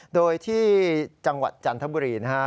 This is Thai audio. โดยที่จังหวัดจันทบุรีนะฮะ